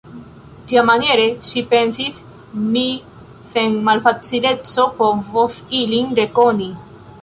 Tiamaniere, ŝi pensis, mi sen malfacileco povos ilin rekoni.